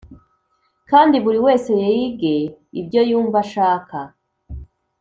kandi buri wese yige ibyo yumva ashaka